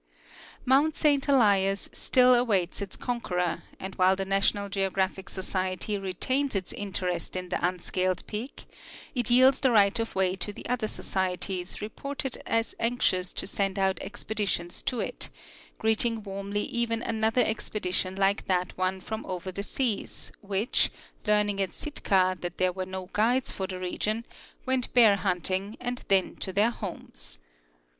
Mount Saint Elias still awaits its conqueror, and Avhile the National Geographic Society retains its interest in the un sealed, peak, it yields the right of way to the other societies reported as anxious to send out expeditions to it, greeting warmly even another expedition like that one from over the seas which, learning at Sitka that there were no guides for the region, went bear hunting and then to their homes.